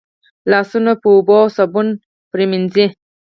لاسونه په اوبو او صابون مینځئ.